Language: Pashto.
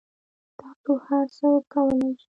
تاسو هر څه کولای شئ